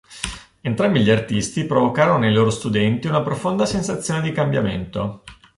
Entrambi gli artisti provocarono nei loro studenti una profonda sensazione di cambiamento.